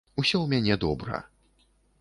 Усё ў мяне добра.